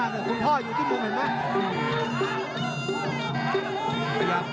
อ้าวเดี๋ยวคุณพ่ออยู่ที่โมเมนต์น่ะ